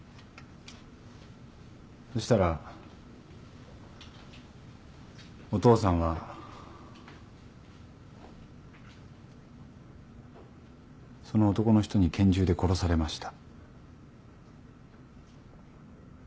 そしたらお父さんはその男の人に拳銃で殺されました。